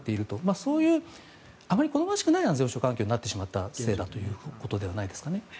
そういう、あまり好ましくない安全保障環境になってしまったせいではないですかね。